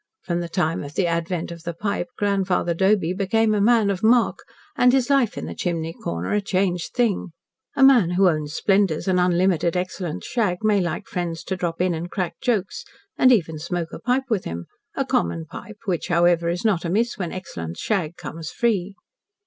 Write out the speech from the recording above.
From the time of the advent of the pipe, Grandfather Doby became a man of mark, and his life in the chimney corner a changed thing. A man who owns splendours and unlimited, excellent shag may like friends to drop in and crack jokes and even smoke a pipe with him a common pipe, which, however, is not amiss when excellent shag comes free.